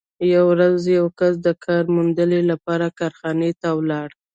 یوه ورځ یو کس د کار موندنې لپاره کارخانې ته ولاړ